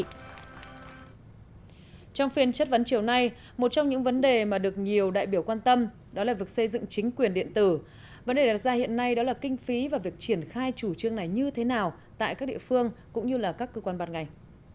trong phiên chất vấn chiều nay một trong những vấn đề mà được nhiều đại biểu quan tâm đó là việc xây dựng chính quyền điện tử vấn đề đặt ra hiện nay đó là kinh phí và việc triển khai chủ trương này như thế nào tại các địa phương cũng như là các cơ quan bạt ngành